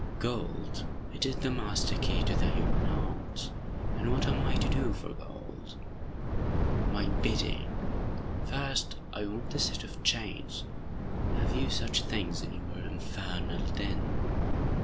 "Gold! It is the master key to human hearts! And what am I to do for gold?" "My bidding! First, I want a set of chains! Have you such things in your infernal den?"